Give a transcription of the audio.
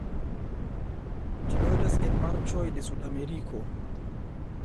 Ĝi loĝas en marĉoj de Sudameriko.